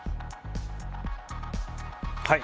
はい。